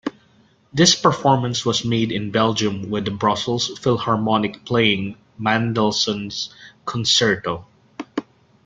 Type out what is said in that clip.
This performance was made in Belgium with the Brussels Philharmonic playing Mendelssohn's concerto.